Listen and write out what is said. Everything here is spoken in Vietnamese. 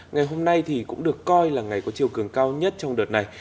ngày hôm nay thì cũng được coi là ngày có chiều cường cao nhất trong đợt này